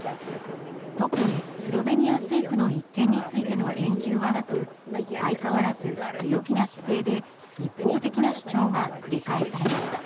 特にスロベニア政府の一件についての言及はなく相変わらず強気な姿勢で一方的な主張が繰り返されました。